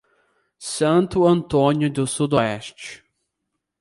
Santo Antônio do Sudoeste